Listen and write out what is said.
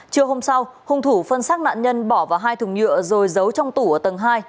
trưa hôm sau hung thủ phân xác nạn nhân bỏ vào hai thùng nhựa rồi giấu trong tủ ở tầng hai